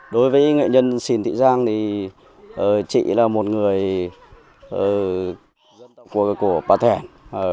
đối với nghệ nhân xin thị giang thì chị là một người dân tộc của bà thèn